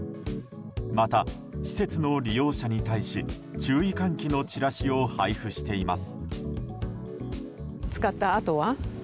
また、施設の利用者に対し注意喚起のチラシを配布しています。